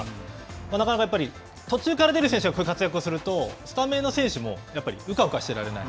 なかなかやっぱり途中から出る選手がこういう活躍をすると、スタメンの選手もうかうかしてられない。